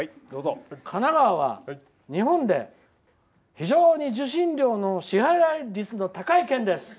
神奈川は日本で非常に受信料の支払い率の高い県です。